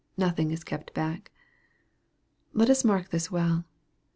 Nothing is kept back. Let us mark this well.